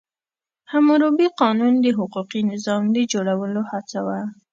حموربي قانون د حقوقي نظام د جوړولو هڅه وه.